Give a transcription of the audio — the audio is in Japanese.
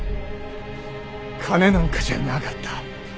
金なんかじゃなかった。